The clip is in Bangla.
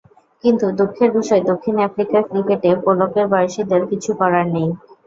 কিন্তু দুঃখের বিষয় দক্ষিণ আফ্রিকা ক্রিকেটে পোলকের বয়সীদের কিছু করার নেই।